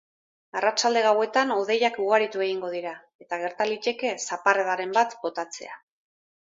Arratsalde gauetan hodeiak ugaritu egingo dira eta gerta liteke zaparradaren bat botatzea.